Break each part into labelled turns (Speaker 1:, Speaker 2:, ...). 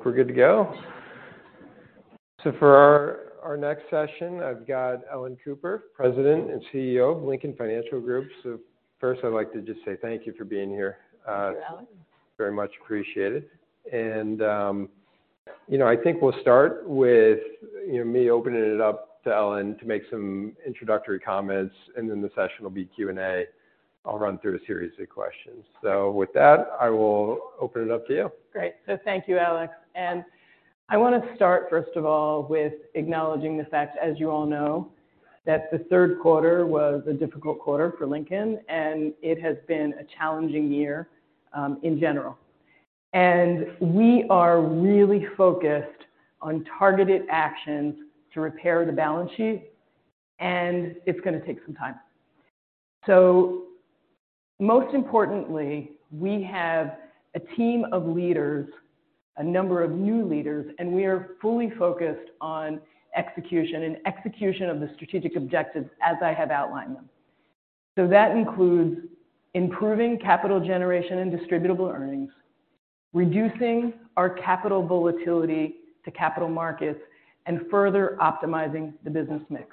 Speaker 1: All right. I think we're good to go. For our next session, I've got Ellen Cooper, President and CEO of Lincoln Financial Group. First I'd like to just say thank you for being here.
Speaker 2: Thank you, Alex.
Speaker 1: Very much appreciated. I think we'll start with me opening it up to Ellen to make some introductory comments, the session will be Q&A. I'll run through a series of questions. With that, I will open it up to you.
Speaker 2: Great. Thank you, Alex. I want to start, first of all, with acknowledging the fact, as you all know, that the third quarter was a difficult quarter for Lincoln, and it has been a challenging year in general. We are really focused on targeted actions to repair the balance sheet, and it's going to take some time. Most importantly, we have a team of leaders, a number of new leaders, and we are fully focused on execution and execution of the strategic objectives as I have outlined them. That includes improving capital generation and distributable earnings, reducing our capital volatility to capital markets, and further optimizing the business mix.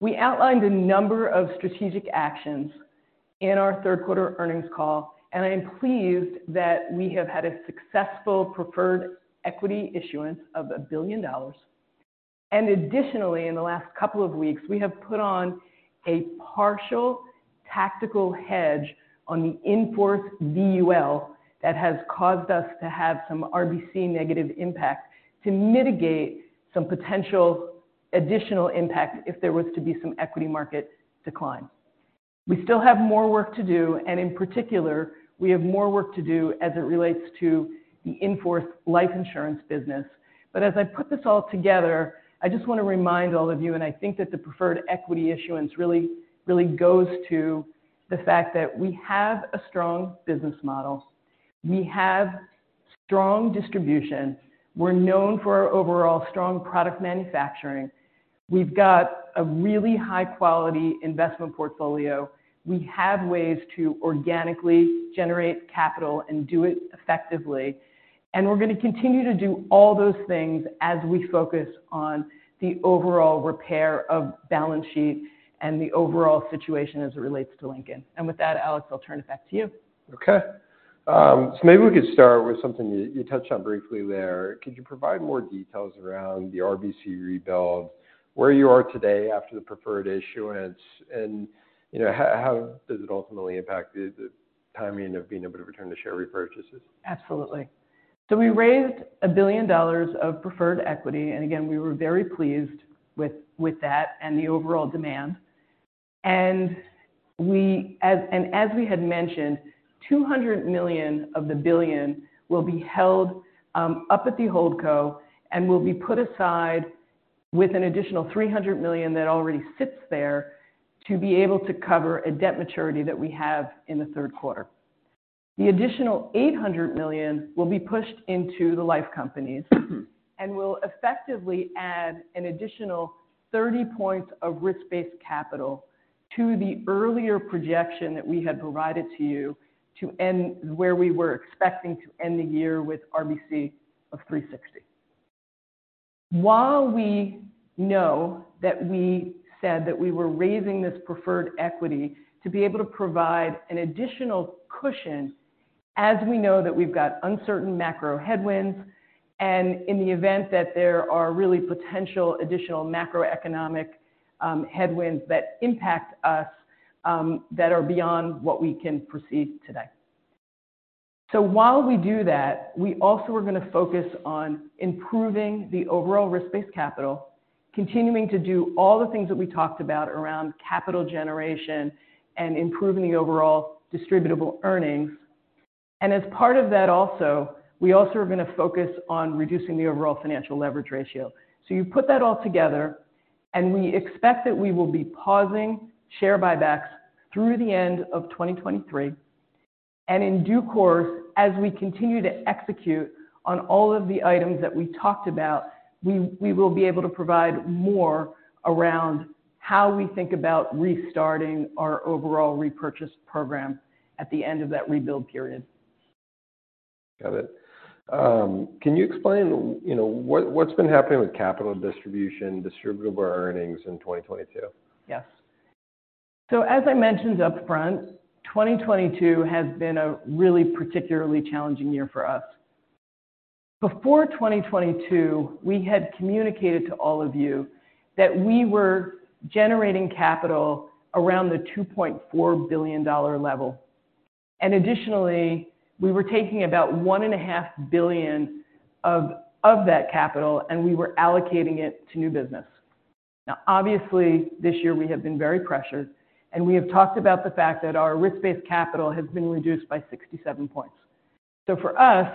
Speaker 2: We outlined a number of strategic actions in our third quarter earnings call. I am pleased that we have had a successful preferred equity issuance of $1 billion. Additionally, in the last couple of weeks, we have put on a partial tactical hedge on the in-force VUL that has caused us to have some RBC negative impact to mitigate some potential additional impact if there was to be some equity market decline. We still have more work to do, and in particular, we have more work to do as it relates to the in-force life insurance business. As I put this all together, I just want to remind all of you, and I think that the preferred equity issuance really goes to the fact that we have a strong business model. We have strong distribution. We are known for our overall strong product manufacturing. We have got a really high-quality investment portfolio. We have ways to organically generate capital and do it effectively, and we are going to continue to do all those things as we focus on the overall repair of balance sheet and the overall situation as it relates to Lincoln. With that, Alex, I will turn it back to you.
Speaker 1: Okay. Maybe we could start with something you touched on briefly there. Could you provide more details around the RBC rebuild, where you are today after the preferred issuance, and how does it ultimately impact the timing of being able to return to share repurchases?
Speaker 2: Absolutely. We raised $1 billion of preferred equity, and again, we were very pleased with that and the overall demand. As we had mentioned, $200 million of the $1 billion will be held up at the Holdco and will be put aside with an additional $300 million that already sits there to be able to cover a debt maturity that we have in the third quarter. The additional $800 million will be pushed into the life companies and will effectively add an additional 30 points of risk-based capital to the earlier projection that we had provided to you to end where we were expecting to end the year with RBC of 360. While we know that we said that we were raising this preferred equity to be able to provide an additional cushion as we know that we've got uncertain macro headwinds, and in the event that there are really potential additional macroeconomic headwinds that impact us that are beyond what we can perceive today. While we do that, we also are going to focus on improving the overall risk-based capital, continuing to do all the things that we talked about around capital generation and improving the overall distributable earnings. As part of that also, we also are going to focus on reducing the overall financial leverage ratio. You put that all together, and we expect that we will be pausing share buybacks through the end of 2023. In due course, as we continue to execute on all of the items that we talked about, we will be able to provide more around how we think about restarting our overall repurchase program at the end of that rebuild period.
Speaker 1: Got it. Can you explain what's been happening with capital distribution, distributable earnings in 2022?
Speaker 2: Yes. As I mentioned upfront, 2022 has been a really particularly challenging year for us. Before 2022, we had communicated to all of you that we were generating capital around the $2.4 billion level. Additionally, we were taking about $1.5 billion of that capital, and we were allocating it to new business. Obviously, this year we have been very pressured, and we have talked about the fact that our risk-based capital has been reduced by 67 points. For us,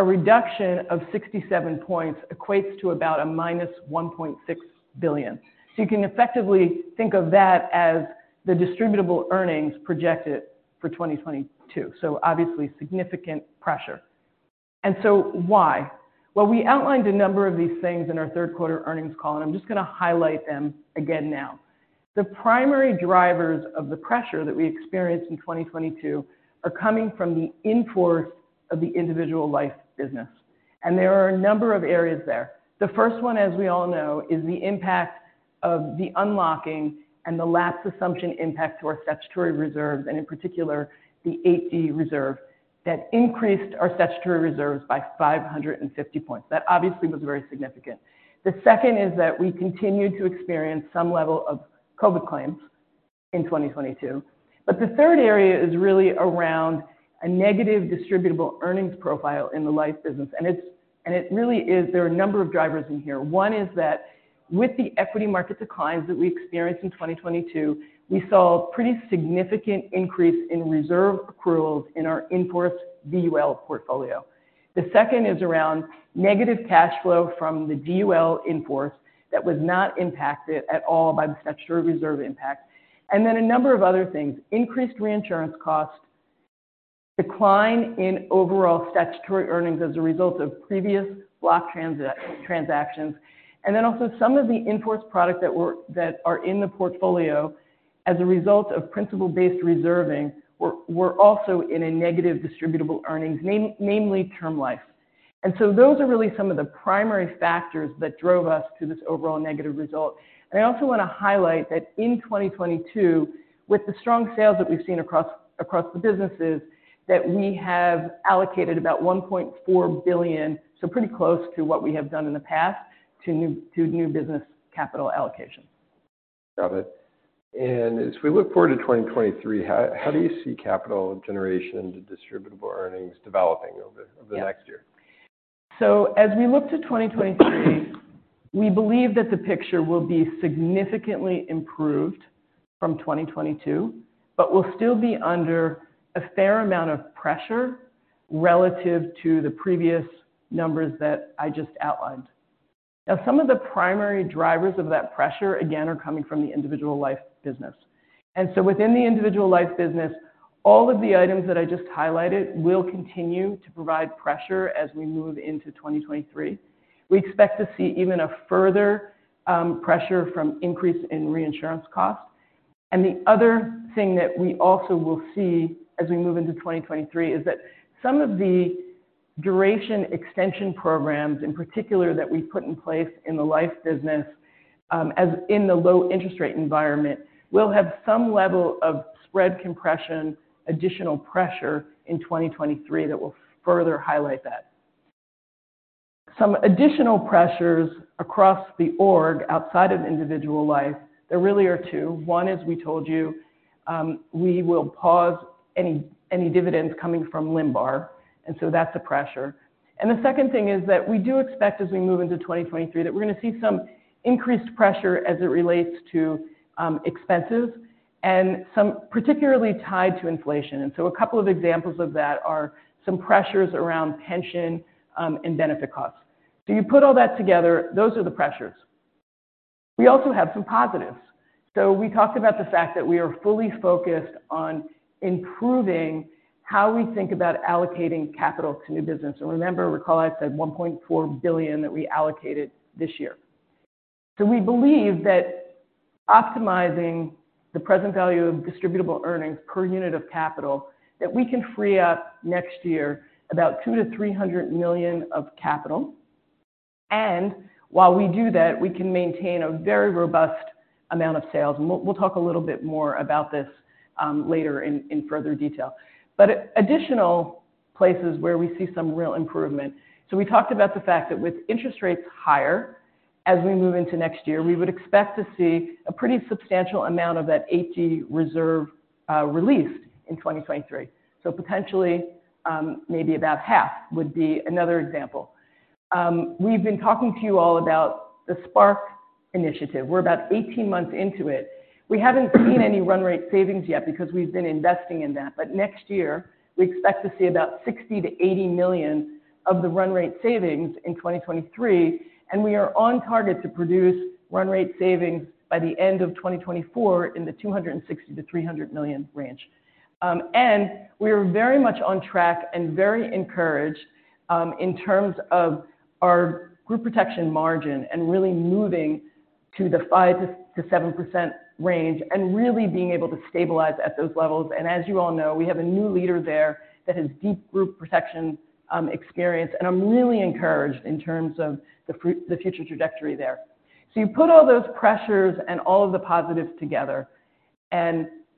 Speaker 2: a reduction of 67 points equates to about a minus $1.6 billion. You can effectively think of that as the distributable earnings projected for 2022. Obviously, significant pressure. Why? We outlined a number of these things in our third quarter earnings call. I'm just going to highlight them again now. The primary drivers of the pressure that we experienced in 2022 are coming from the in-force of the individual life business, and there are a number of areas there. The first one, as we all know, is the impact of the unlocking and the lapse assumption impact to our statutory reserves, and in particular, the AG 48 reserve that increased our statutory reserves by 550 points. That obviously was very significant. The second is that we continued to experience some level of COVID claims in 2022. The third area is really around a negative distributable earnings profile in the life business. There are a number of drivers in here. One is that with the equity market declines that we experienced in 2022, we saw a pretty significant increase in reserve accruals in our in-force GUL portfolio. The second is around negative cash flow from the GUL in-force that was not impacted at all by the statutory reserve impact. A number of other things, increased reinsurance costs, decline in overall statutory earnings as a result of previous block transactions, and then also some of the in-force product that are in the portfolio as a result of principal-based reserving were also in a negative distributable earnings, namely term life. Those are really some of the primary factors that drove us to this overall negative result. I also want to highlight that in 2022, with the strong sales that we've seen across the businesses, that we have allocated about $1.4 billion, so pretty close to what we have done in the past to new business capital allocation.
Speaker 1: Got it. As we look forward to 2023, how do you see capital generation into distributable earnings developing over the next year?
Speaker 2: As we look to 2023, we believe that the picture will be significantly improved from 2022, but we'll still be under a fair amount of pressure relative to the previous numbers that I just outlined. Now, some of the primary drivers of that pressure, again, are coming from the individual life business. Within the individual life business, all of the items that I just highlighted will continue to provide pressure as we move into 2023. We expect to see even a further pressure from increase in reinsurance costs. The other thing that we also will see as we move into 2023 is that some of the duration extension programs in particular that we put in place in the life business as in the low interest rate environment will have some level of spread compression, additional pressure in 2023 that will further highlight that. Some additional pressures across the org outside of individual life, there really are two. One, as we told you, we will pause any dividends coming from Linbar, that's a pressure. The second thing is that we do expect as we move into 2023 that we're going to see some increased pressure as it relates to expenses and some particularly tied to inflation. A couple of examples of that are some pressures around pension and benefit costs. You put all that together, those are the pressures. We also have some positives. We talked about the fact that we are fully focused on improving how we think about allocating capital to new business. Remember, recall I said $1.4 billion that we allocated this year. We believe that optimizing the present value of distributable earnings per unit of capital, that we can free up next year about $200 million-$300 million of capital. While we do that, we can maintain a very robust amount of sales, and we'll talk a little bit more about this later in further detail. Additional places where we see some real improvement. We talked about the fact that with interest rates higher as we move into next year, we would expect to see a pretty substantial amount of that AG 48 reserve released in 2023. Potentially, maybe about half would be another example. We've been talking to you all about the Spark initiative. We're about 18 months into it. We haven't seen any run rate savings yet because we've been investing in that. Next year, we expect to see about $60 million-$80 million of the run rate savings in 2023, we are on target to produce run rate savings by the end of 2024 in the $260 million-$300 million range. We are very much on track and very encouraged in terms of our group protection margin and really moving to the 5%-7% range and really being able to stabilize at those levels. As you all know, we have a new leader there that has deep group protection experience, I'm really encouraged in terms of the future trajectory there. You put all those pressures and all of the positives together,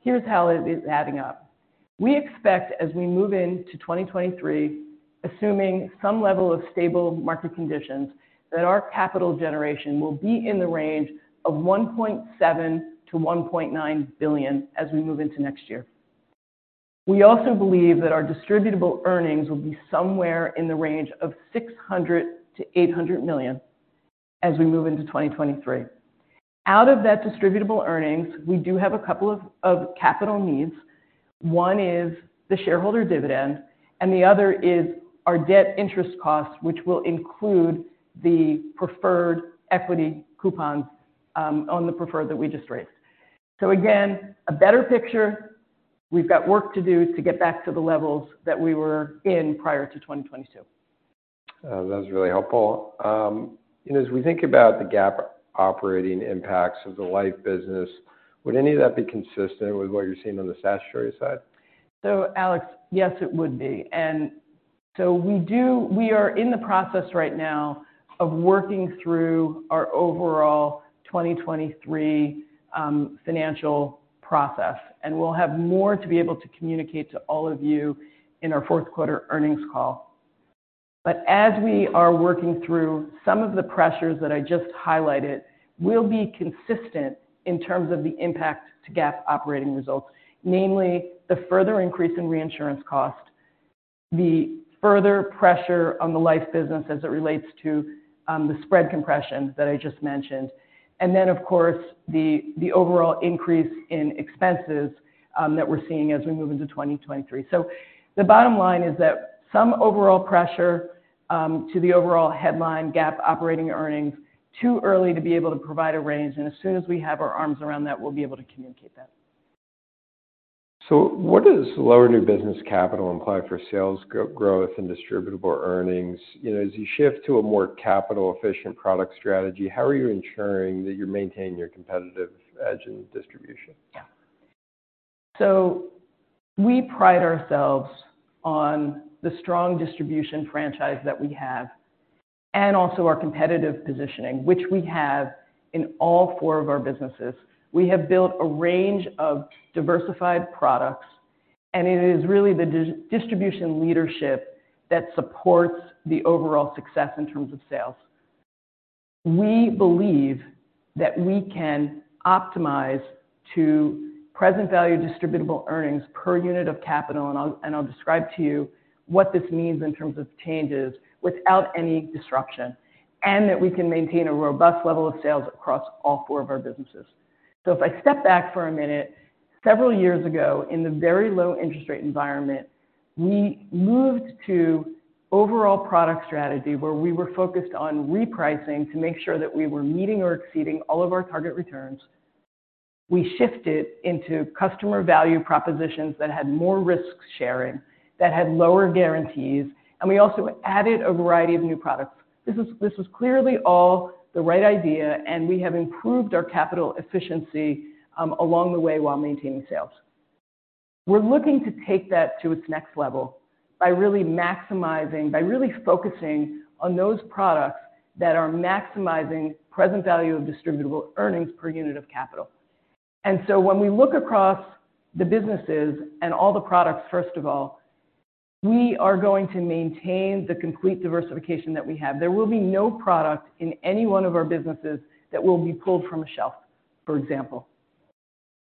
Speaker 2: here's how it is adding up. We expect as we move into 2023, assuming some level of stable market conditions, that our capital generation will be in the range of $1.7 billion-$1.9 billion as we move into next year. We also believe that our distributable earnings will be somewhere in the range of $600 million-$800 million as we move into 2023. Out of that distributable earnings, we do have a couple of capital needs. One is the shareholder dividend, and the other is our debt interest cost, which will include the preferred equity coupon on the preferred that we just raised. Again, a better picture. We've got work to do to get back to the levels that we were in prior to 2022.
Speaker 1: That was really helpful. As we think about the GAAP operating impacts of the life business, would any of that be consistent with what you're seeing on the statutory side?
Speaker 2: Alex, yes, it would be. We are in the process right now of working through our overall 2023 financial process, and we'll have more to be able to communicate to all of you in our fourth quarter earnings call. As we are working through some of the pressures that I just highlighted will be consistent in terms of the impact to GAAP operating results, namely the further increase in reinsurance cost, the further pressure on the life business as it relates to the spread compression that I just mentioned. Then, of course, the overall increase in expenses that we're seeing as we move into 2023. The bottom line is that some overall pressure to the overall headline GAAP operating earnings, too early to be able to provide a range, and as soon as we have our arms around that, we'll be able to communicate that.
Speaker 1: What does lower new business capital imply for sales growth and distributable earnings? As you shift to a more capital-efficient product strategy, how are you ensuring that you're maintaining your competitive edge in distribution?
Speaker 2: We pride ourselves on the strong distribution franchise that we have and also our competitive positioning, which we have in all four of our businesses. We have built a range of diversified products, and it is really the distribution leadership that supports the overall success in terms of sales. We believe that we can optimize to present value distributable earnings per unit of capital, and I'll describe to you what this means in terms of changes without any disruption, and that we can maintain a robust level of sales across all four of our businesses. If I step back for a minute, several years ago in the very low interest rate environment, we moved to overall product strategy, where we were focused on repricing to make sure that we were meeting or exceeding all of our target returns. We shifted into customer value propositions that had more risk-sharing, that had lower guarantees, and we also added a variety of new products. This was clearly all the right idea, and we have improved our capital efficiency along the way while maintaining sales. We're looking to take that to its next level by really focusing on those products that are maximizing present value of distributable earnings per unit of capital. When we look across the businesses and all the products, first of all, we are going to maintain the complete diversification that we have. There will be no product in any one of our businesses that will be pulled from a shelf, for example.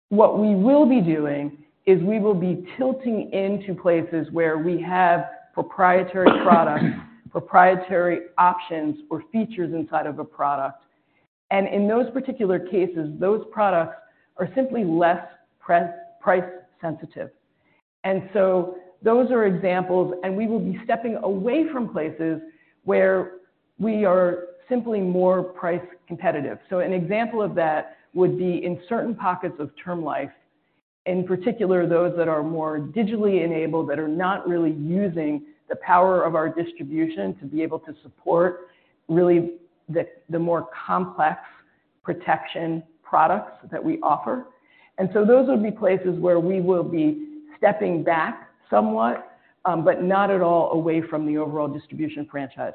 Speaker 2: What we will be doing is we will be tilting into places where we have proprietary products, proprietary options, or features inside of a product. In those particular cases, those products are simply less price-sensitive. Those are examples, we will be stepping away from places where we are simply more price competitive. An example of that would be in certain pockets of term life, in particular, those that are more digitally enabled, that are not really using the power of our distribution to be able to support really the more complex protection products that we offer. Those would be places where we will be stepping back somewhat but not at all away from the overall distribution franchise.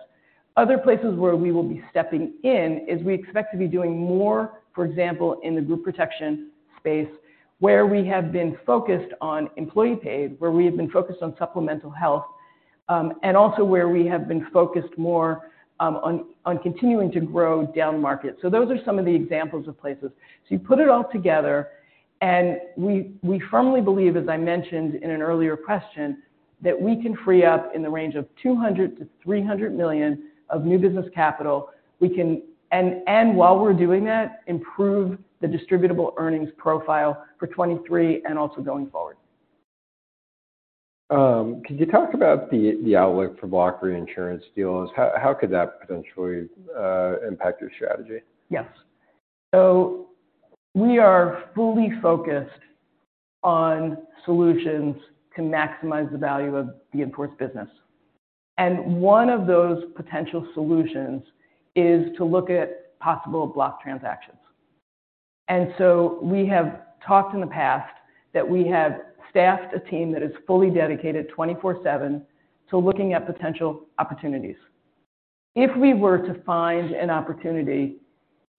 Speaker 2: Other places where we will be stepping in is we expect to be doing more, for example, in the group protection space, where we have been focused on employee paid, where we have been focused on supplemental health, and also where we have been focused more on continuing to grow down-market. Those are some of the examples of places. You put it all together, I firmly believe, as I mentioned in an earlier question, that we can free up in the range of $200 million-$300 million of new business capital. We can, while we're doing that, improve the distributable earnings profile for 2023 and also going forward.
Speaker 1: Can you talk about the outlook for block reinsurance deals? How could that potentially impact your strategy?
Speaker 2: Yes. We are fully focused on solutions to maximize the value of the in-force business. One of those potential solutions is to look at possible block transactions. We have talked in the past that we have staffed a team that is fully dedicated 24/7 to looking at potential opportunities. If we were to find an opportunity,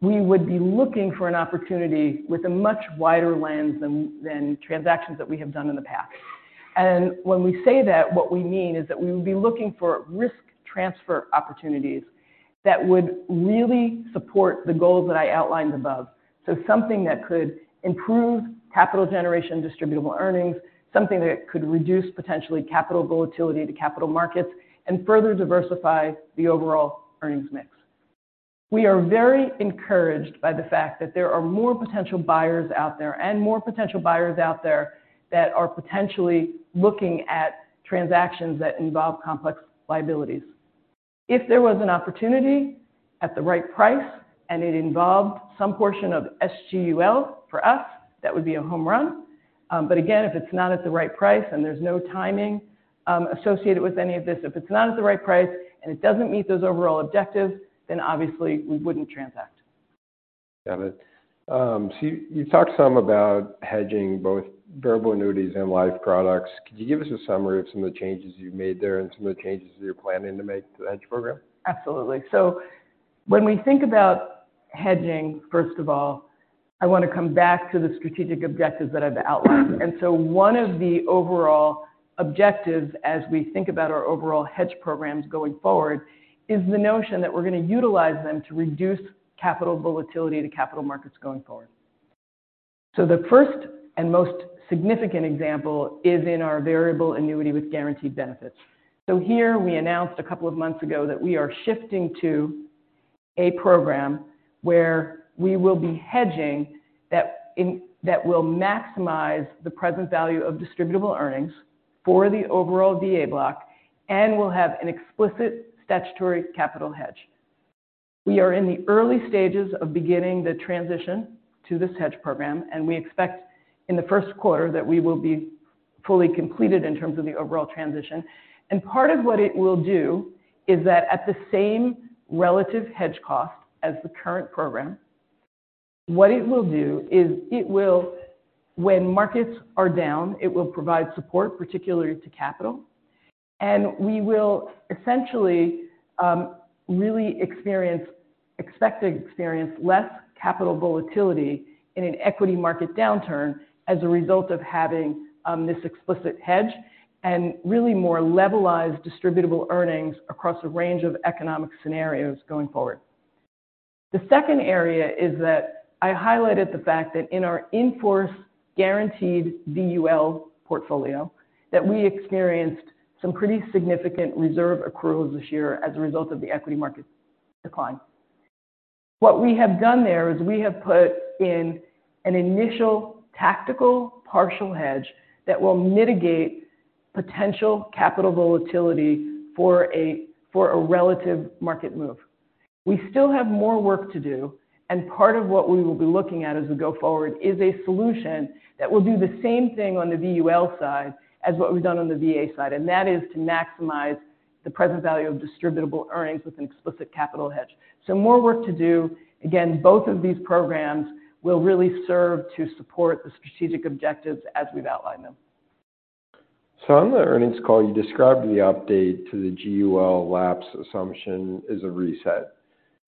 Speaker 2: we would be looking for an opportunity with a much wider lens than transactions that we have done in the past. When we say that, what we mean is that we would be looking for risk transfer opportunities that would really support the goals that I outlined above. Something that could improve capital generation, distributable earnings, something that could reduce potentially capital volatility to capital markets, and further diversify the overall earnings mix. We are very encouraged by the fact that there are more potential buyers out there and more potential buyers out there that are potentially looking at transactions that involve complex liabilities. If there was an opportunity at the right price and it involved some portion of SVUL for us, that would be a home run. Again, if it's not at the right price and there's no timing associated with any of this, if it's not at the right price and it doesn't meet those overall objectives, obviously we wouldn't transact.
Speaker 1: Got it. You talked some about hedging both variable annuities and life products. Could you give us a summary of some of the changes you've made there and some of the changes that you're planning to make to the hedge program?
Speaker 2: Absolutely. When we think about hedging, first of all, I want to come back to the strategic objectives that I've outlined. One of the overall objectives as we think about our overall hedge programs going forward is the notion that we're going to utilize them to reduce capital volatility to capital markets going forward. The first and most significant example is in our variable annuity with guaranteed benefits. Here we announced a couple of months ago that we are shifting to a program where we will be hedging that will maximize the present value of distributable earnings for the overall VA block and will have an explicit statutory capital hedge. We are in the early stages of beginning the transition to this hedge program, and we expect in the first quarter that we will be fully completed in terms of the overall transition. Part of what it will do is that at the same relative hedge cost as the current program, what it will do is it will, when markets are down, provide support, particularly to capital. We will essentially really expect to experience less capital volatility in an equity market downturn as a result of having this explicit hedge and really more levelized distributable earnings across a range of economic scenarios going forward. The second area is that I highlighted the fact that in our in-force guaranteed GUL portfolio, that we experienced some pretty significant reserve accruals this year as a result of the equity market decline. What we have done there is we have put in an initial tactical partial hedge that will mitigate potential capital volatility for a relative market move. We still have more work to do, part of what we will be looking at as we go forward is a solution that will do the same thing on the GUL side as what we've done on the VA side, and that is to maximize the present value of distributable earnings with an explicit capital hedge. More work to do. Again, both of these programs will really serve to support the strategic objectives as we've outlined them.
Speaker 1: On the earnings call, you described the update to the GUL lapse assumption as a reset.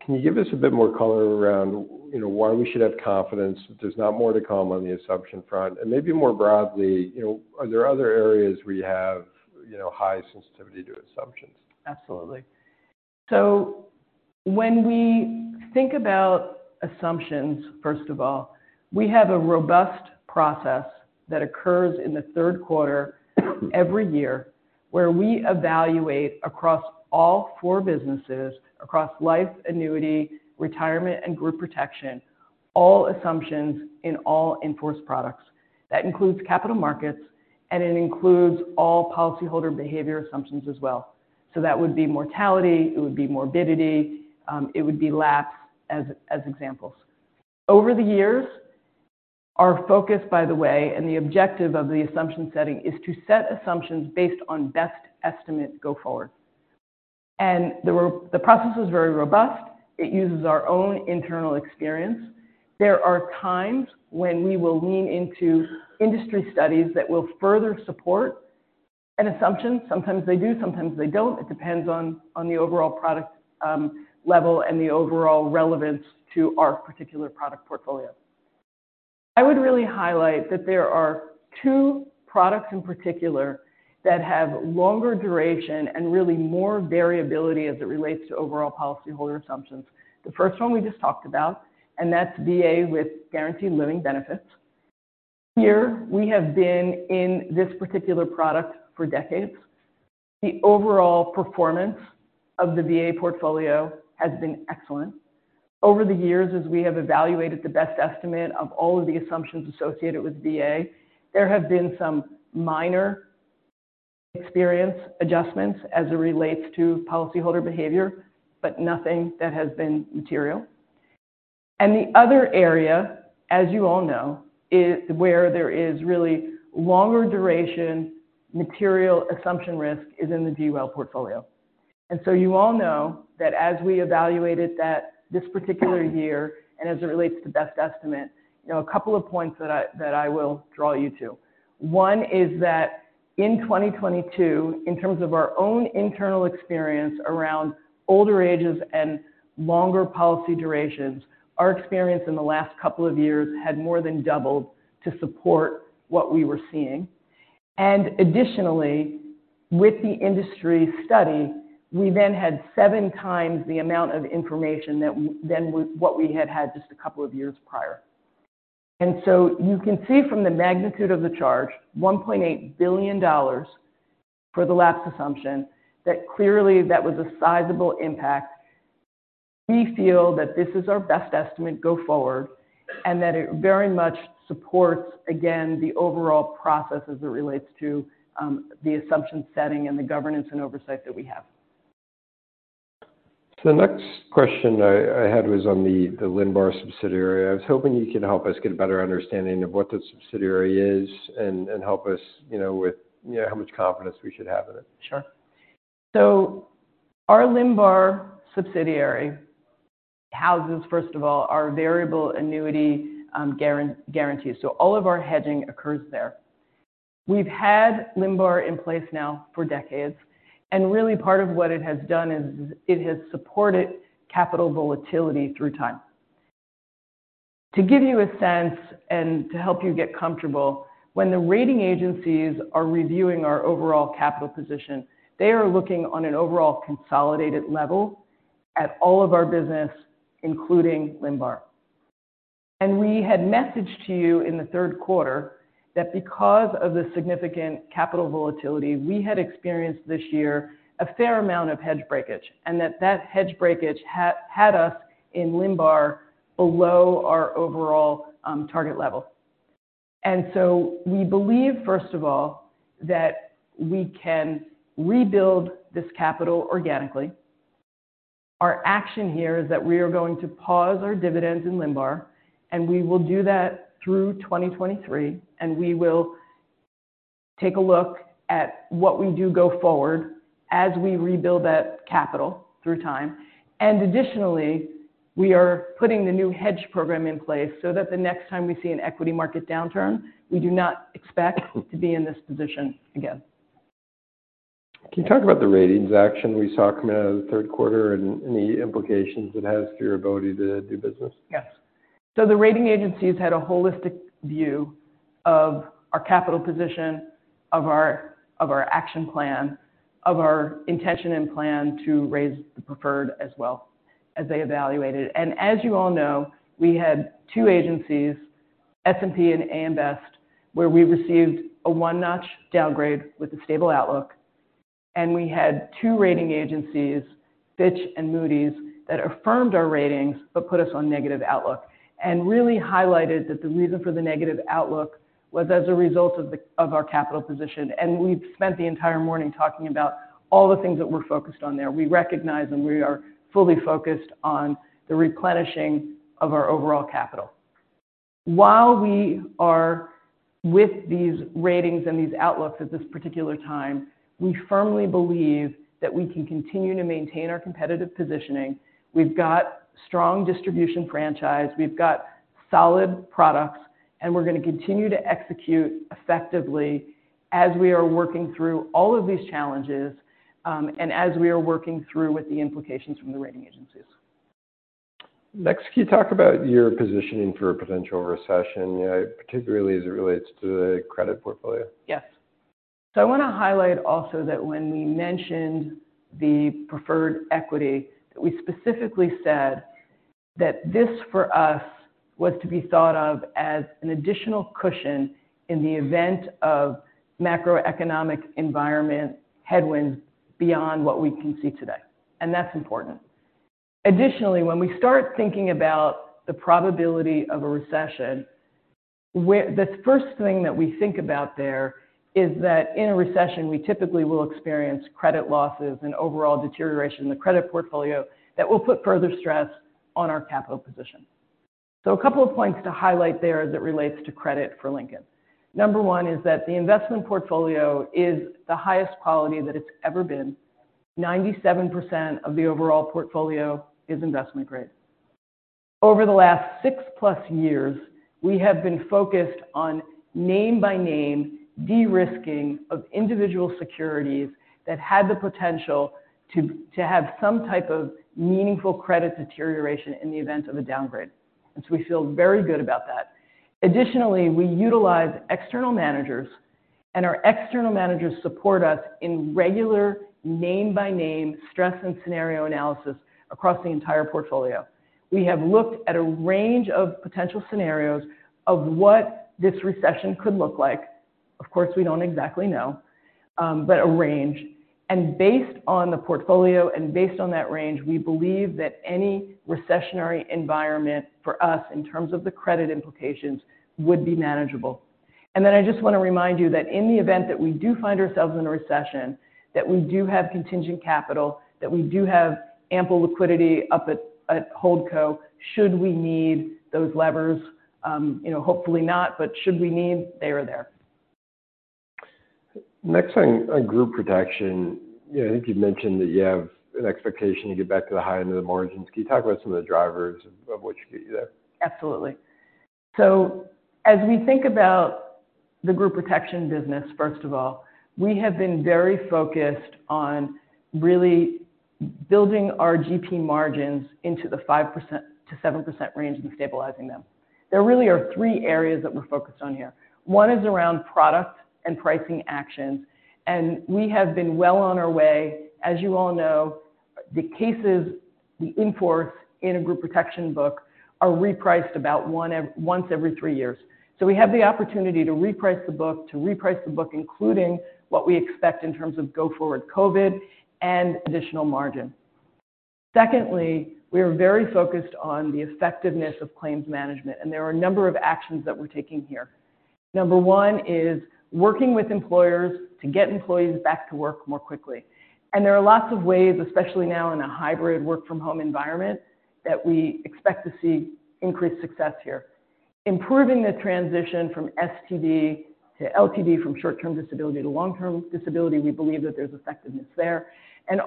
Speaker 1: Can you give us a bit more color around why we should have confidence that there's not more to come on the assumption front? Maybe more broadly, are there other areas where you have high sensitivity to assumptions?
Speaker 2: Absolutely. When we think about assumptions, first of all, we have a robust process that occurs in the third quarter every year where we evaluate across all four businesses, across life annuity, retirement, and group protection, all assumptions in all in-force products. That includes capital markets, and it includes all policyholder behavior assumptions as well. That would be mortality, it would be morbidity, it would be lapse as examples. Over the years, our focus, by the way, and the objective of the assumption setting is to set assumptions based on best estimate go forward. The process is very robust. It uses our own internal experience. There are times when we will lean into industry studies that will further support an assumption. Sometimes they do, sometimes they don't. It depends on the overall product level and the overall relevance to our particular product portfolio. I would really highlight that there are two products in particular that have longer duration and really more variability as it relates to overall policyholder assumptions. The first one we just talked about, and that's VA with guaranteed living benefits. Here, we have been in this particular product for decades. The overall performance of the VA portfolio has been excellent. Over the years, as we have evaluated the best estimate of all of the assumptions associated with VA, there have been some minor experience adjustments as it relates to policyholder behavior, but nothing that has been material. The other area, as you all know, where there is really longer duration material assumption risk is in the GUL portfolio. You all know that as we evaluated this particular year and as it relates to best estimate, a couple of points that I will draw you to. One is that in 2022, in terms of our own internal experience around older ages and longer policy durations, our experience in the last couple of years had more than doubled to support what we were seeing. Additionally, with the industry study, we then had seven times the amount of information than what we had just a couple of years prior. You can see from the magnitude of the charge, $1.8 billion for the lapse assumption, that clearly that was a sizable impact. We feel that this is our best estimate go forward and that it very much supports, again, the overall process as it relates to the assumption setting and the governance and oversight that we have.
Speaker 1: The next question I had was on the Linbar subsidiary. I was hoping you could help us get a better understanding of what that subsidiary is and help us with how much confidence we should have in it.
Speaker 2: Sure. Our Linbar subsidiary houses, first of all, our variable annuity guarantees. All of our hedging occurs there. We've had Linbar in place now for decades, and part of what it has done is it has supported capital volatility through time. To give you a sense and to help you get comfortable, when the rating agencies are reviewing our overall capital position, they are looking on an overall consolidated level at all of our business, including Linbar. We had messaged to you in the third quarter that because of the significant capital volatility we had experienced this year a fair amount of hedge breakage, and that that hedge breakage had us in Linbar below our overall target level. We believe, first of all, that we can rebuild this capital organically. Our action here is that we are going to pause our dividends in Linbar, and we will do that through 2023, and we will take a look at what we do go forward as we rebuild that capital through time. Additionally, we are putting the new hedge program in place so that the next time we see an equity market downturn, we do not expect to be in this position again.
Speaker 1: Can you talk about the ratings action we saw coming out of the third quarter and any implications it has for your ability to do business?
Speaker 2: Yes. The rating agencies had a holistic view of our capital position, of our action plan, of our intention and plan to raise the preferred as well as they evaluated. As you all know, we had two agencies, S&P and AM Best, where we received a one-notch downgrade with a stable outlook. We had two rating agencies, Fitch and Moody's, that affirmed our ratings but put us on negative outlook and really highlighted that the reason for the negative outlook was as a result of our capital position. We've spent the entire morning talking about all the things that we're focused on there. We recognize and we are fully focused on the replenishing of our overall capital. While we are with these ratings and these outlooks at this particular time, we firmly believe that we can continue to maintain our competitive positioning. We've got strong distribution franchise, we've got solid products, we're going to continue to execute effectively as we are working through all of these challenges, as we are working through with the implications from the rating agencies.
Speaker 1: Next, can you talk about your positioning for a potential recession, particularly as it relates to the credit portfolio?
Speaker 2: Yes. I want to highlight also that when we mentioned the preferred equity, that we specifically said that this, for us, was to be thought of as an additional cushion in the event of macroeconomic environment headwinds beyond what we can see today. That's important. Additionally, when we start thinking about the probability of a recession, the first thing that we think about there is that in a recession, we typically will experience credit losses and overall deterioration in the credit portfolio that will put further stress on our capital position. A couple of points to highlight there as it relates to credit for Lincoln. Number one is that the investment portfolio is the highest quality that it's ever been. 97% of the overall portfolio is investment grade. Over the last six plus years, we have been focused on name by name de-risking of individual securities that had the potential to have some type of meaningful credit deterioration in the event of a downgrade. We feel very good about that. Additionally, we utilize external managers, our external managers support us in regular name by name stress and scenario analysis across the entire portfolio. We have looked at a range of potential scenarios of what this recession could look like. Of course, we don't exactly know, but a range. Based on the portfolio and based on that range, we believe that any recessionary environment for us in terms of the credit implications would be manageable. I just want to remind you that in the event that we do find ourselves in a recession, that we do have contingent capital, that we do have ample liquidity up at Holdco should we need those levers. Hopefully not, but should we need, they are there.
Speaker 1: Next on group protection. I think you mentioned that you have an expectation to get back to the high end of the margins. Can you talk about some of the drivers of what should get you there?
Speaker 2: Absolutely. As we think about the group protection business, first of all, we have been very focused on really building our GP margins into the 5%-7% range and stabilizing them. There really are three areas that we're focused on here. One is around product and pricing actions, and we have been well on our way. As you all know, the cases, the in-force in a group protection book are repriced about once every three years. We have the opportunity to reprice the book including what we expect in terms of go forward COVID and additional margin. Secondly, we are very focused on the effectiveness of claims management, and there are a number of actions that we're taking here. Number one is working with employers to get employees back to work more quickly. There are lots of ways, especially now in a hybrid work from home environment, that we expect to see increased success here. Improving the transition from STD to LTD, from short-term disability to long-term disability, we believe that there's effectiveness there.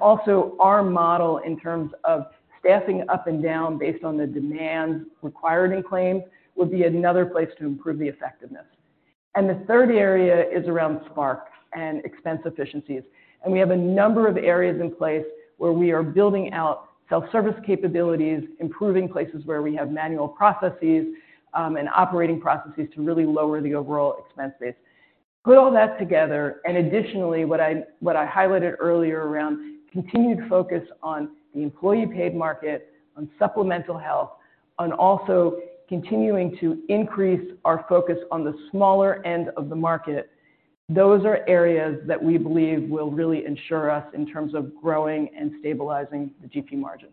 Speaker 2: Also our model in terms of staffing up and down based on the demand required in claims would be another place to improve the effectiveness. The third area is around Spark and expense efficiencies. We have a number of areas in place where we are building out self-service capabilities, improving places where we have manual processes, and operating processes to really lower the overall expense base. Put all that together, additionally, what I highlighted earlier around continued focus on the employee paid market, on supplemental health, on also continuing to increase our focus on the smaller end of the market, those are areas that we believe will really ensure us in terms of growing and stabilizing the GP margin.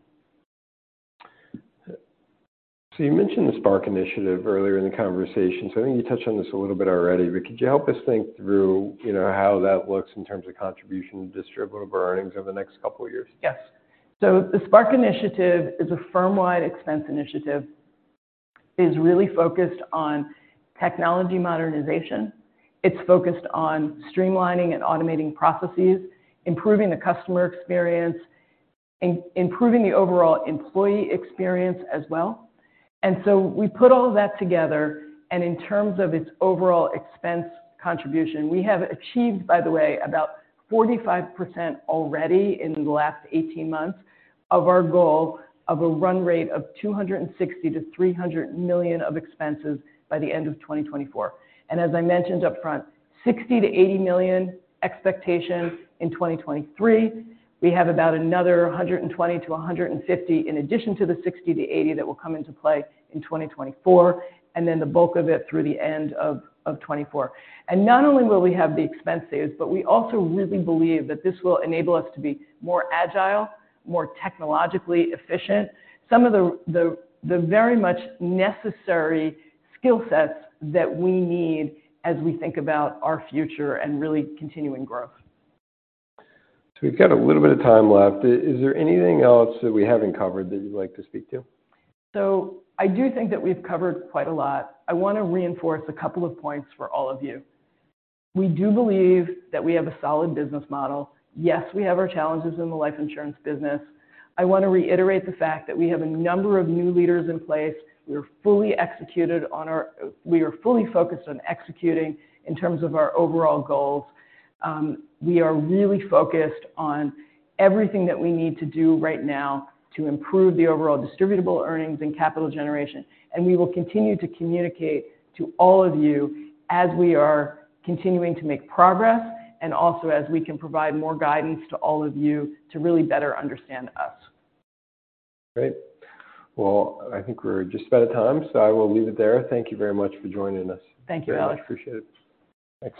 Speaker 1: You mentioned the Spark initiative earlier in the conversation. I think you touched on this a little bit already, but could you help us think through how that looks in terms of contribution to distributable earnings over the next couple of years?
Speaker 2: Yes. The Spark initiative is a firm-wide expense initiative. It's really focused on technology modernization. It's focused on streamlining and automating processes, improving the customer experience, improving the overall employee experience as well. We put all of that together, and in terms of its overall expense contribution, we have achieved, by the way, about 45% already in the last 18 months of our goal of a run rate of $260 million-$300 million of expenses by the end of 2024. As I mentioned upfront, $60 million-$80 million expectation in 2023. We have about another $120 million-$150 million in addition to the $60 million-$80 million that will come into play in 2024, and then the bulk of it through the end of 2024. Not only will we have the expense saves, but we also really believe that this will enable us to be more agile, more technologically efficient. Some of the very much necessary skill sets that we need as we think about our future and really continuing growth.
Speaker 1: We've got a little bit of time left. Is there anything else that we haven't covered that you'd like to speak to?
Speaker 2: I do think that we've covered quite a lot. I want to reinforce a couple of points for all of you. We do believe that we have a solid business model. Yes, we have our challenges in the life insurance business. I want to reiterate the fact that we have a number of new leaders in place. We are fully focused on executing in terms of our overall goals. We are really focused on everything that we need to do right now to improve the overall distributable earnings and capital generation. We will continue to communicate to all of you as we are continuing to make progress, and also as we can provide more guidance to all of you to really better understand us.
Speaker 1: Great. I think we're just out of time, so I will leave it there. Thank you very much for joining us.
Speaker 2: Thank you, Alex.
Speaker 1: Very much appreciate it. Thanks.